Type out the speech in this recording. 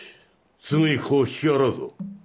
すぐにここを引き払うぞ。